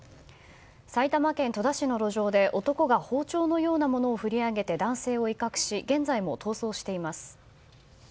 埼玉県戸田市の路上で男が包丁のようなものを振り上げて、男性を威嚇し現在も逃走しています。